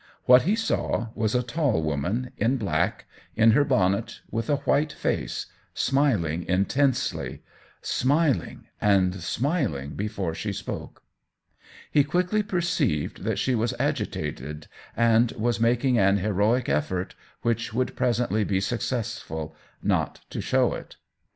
What he saw was a tall woman in black, in her bonnet, with a white face, smiling intensely —smiling and smiling before she spoke. He quickly perceived that she was agitated and was making aA heroic effort, which would presently be successful, not to show it.